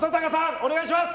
お願いします。